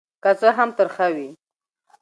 که څه هم ترخه وي.